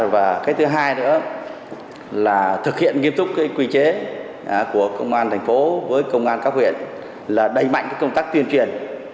và cái thứ hai nữa là thực hiện nghiêm túc quy chế của công an thành phố với công an các huyện là đẩy mạnh công tác tuyên truyền